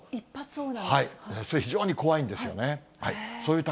非常に怖いんですよね。